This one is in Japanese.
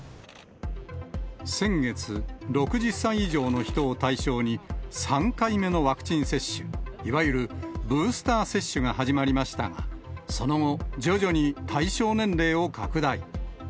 先月、６０歳以上の人を対象に、３回目のワクチン接種、いわゆるブースター接種が始まりましたが、その後、徐々に対象年齢を拡大。